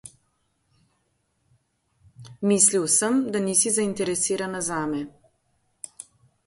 Mislil sem, da nisi zainteresirana zame.